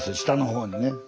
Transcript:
下の方にね。